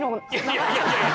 いやいやいやいや！